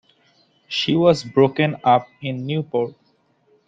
She was broken up in Newport.